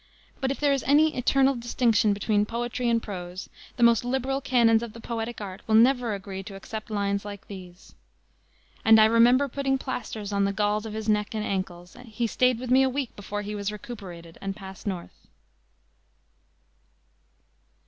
But if there is any eternal distinction between poetry and prose the most liberal canons of the poetic art will never agree to accept lines like these: "And [I] remember putting plasters on the galls of his neck and ankles; He stayed with me a week before he was recuperated, and passed north."